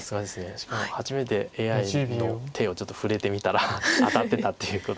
しかも初めてＡＩの手をちょっと触れてみたら当たってたっていうことです。